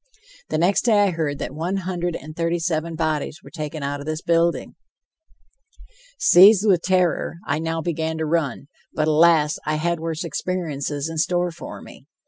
The next day I heard that one hundred and thirty seven bodies were taken out of this building. Seized with terror, I now began to run, but, alas, I had worse experiences in store for me.